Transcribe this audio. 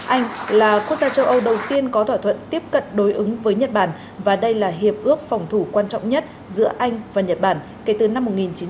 anh là quốc gia châu âu đầu tiên có thỏa thuận tiếp cận đối ứng với nhật bản và đây là hiệp ước phòng thủ quan trọng nhất giữa anh và nhật bản kể từ năm một nghìn chín trăm tám mươi